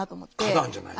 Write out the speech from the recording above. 花壇じゃない？